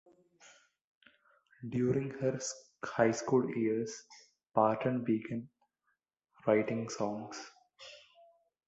During her high school years, Parton began writing songs.